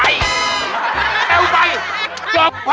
แล้วเด็กเทพก็เกิดขึ้นว่า